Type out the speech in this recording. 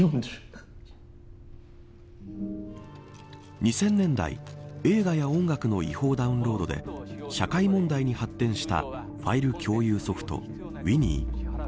２０００年代映画や音楽の違法ダウンロードで社会問題に発展したファイル共有ソフトＷｉｎｎｙ。